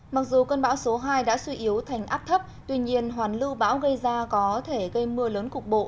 mặc dù cơn bão số hai đã suy yếu thành áp thấp tuy nhiên hoàn lưu bão gây ra có thể gây mưa lớn cục bộ